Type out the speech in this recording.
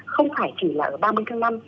không phải chỉ là ở ba mươi tháng năm